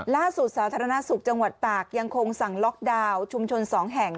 สาธารณสุขจังหวัดตากยังคงสั่งล็อกดาวน์ชุมชน๒แห่ง